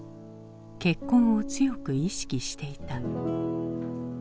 結婚を強く意識していた。